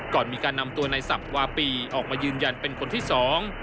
ก่อนมีการนำตัวในสับวาปีออกมายืนยันเป็นคนที่สอง